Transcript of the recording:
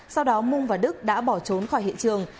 sau đó mung và đức đã bỏ trốn khỏi hiện trường